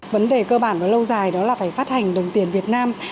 vấn đề cơ bản và lâu dài đó là phải phát hành đồng tiền việt nam